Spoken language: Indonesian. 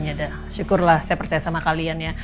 ya syukurlah saya percaya sama kalian ya